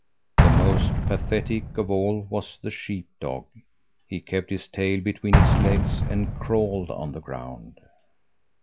The most pathetic of all was the sheep dog. He kept his tail between his legs and crawled on the ground.